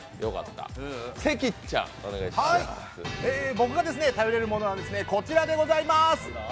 僕が頼れるものはこちらでございます。